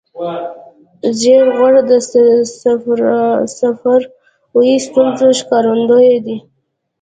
ژېړ غول د صفراوي ستونزو ښکارندوی دی.